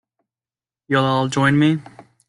You'll join me?